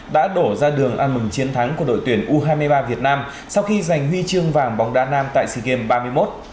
đã đổ ra đường ăn mừng chiến thắng của đội tuyển u hai mươi ba việt nam sau khi giành huy chương vàng bóng đa nam tại sea games ba mươi một